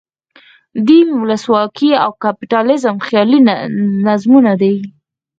دین، ولسواکي او کپیټالیزم خیالي نظمونه دي.